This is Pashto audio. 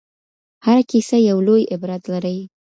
هره کيسه يو لوی عبرت لري.